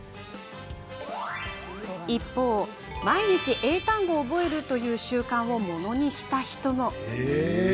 一方、毎日英単語を覚えるという習慣をものにした人も。